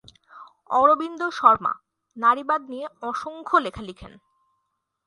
অরবিন্দ শর্মা নারীবাদ নিয়ে অসংখ্য লেখা লিখেন।